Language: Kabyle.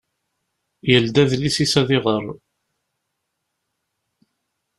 Yeldi adlis-is ad iɣer.